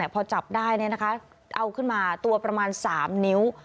พอจับได้เอาขึ้นมาตัวประมาณ๓นิ้ว